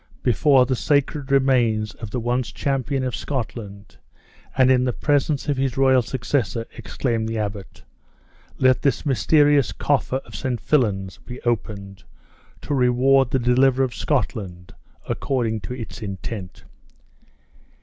"Before the sacred remains of the once champion of Scotland, and in the presence of his royal successor," exclaimed the abbot, "let this mysterious coffer of St. Fillan's be opened, to reward the deliverer of Scotland, according to its intent!"